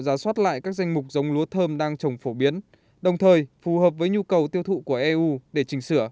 giá soát lại các danh mục giống lúa thơm đang trồng phổ biến đồng thời phù hợp với nhu cầu tiêu thụ của eu để chỉnh sửa